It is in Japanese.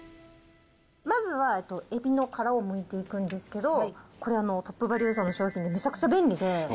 まずは、エビの殻をむいていくんですけど、これトップバリュさんの商品でめちゃくちゃ便利で。